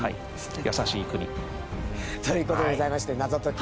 優しい国。という事でございまして『謎解き！